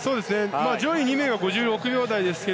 上位２名は５６秒台ですが